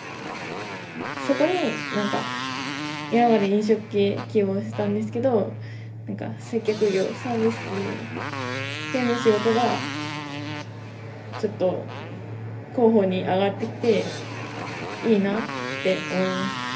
そこになんか今まで飲食系希望してたんですけどなんか接客業サービス系の仕事がちょっと候補に上がってきていいなって思いました。